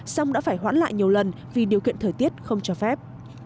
xong đã phải hoãn lại nhiều lần vì điều kiện thời tiết không cho phép